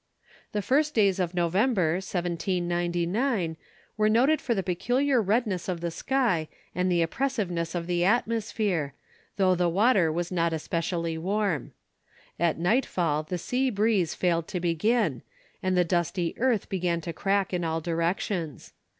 The first days of November, 1799, were noted for the peculiar redness of the sky and the oppressiveness of the atmosphere, though the weather was not especially warm. At nightfall the sea breeze failed to begin, and the dusty earth began to crack in all directions.